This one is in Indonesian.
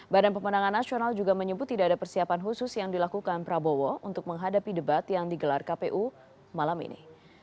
badan pemenangan nasional juga menyebut tidak ada persiapan khusus yang dilakukan prabowo untuk menghadapi debat yang digelar kpu malam ini